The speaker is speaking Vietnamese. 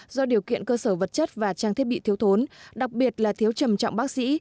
do điều kiện cơ sở vật chất và trang thiết bị thiếu thốn đặc biệt là thiếu trầm trọng bác sĩ